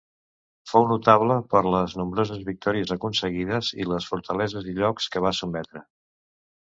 Fou notable per les nombroses victòries aconseguides i les fortaleses i llocs que va sotmetre.